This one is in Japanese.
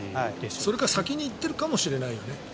それか先に行っているかもしれないよね。